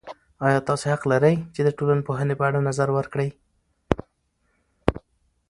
ایا تاسې حق لرئ چې د ټولنپوهنې په اړه نظر ورکړئ؟